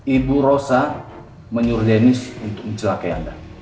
ibu rosa menyuruh denis untuk mencelakai anda